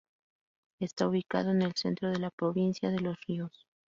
Está ubicado en el centro de la provincia de Los Ríos.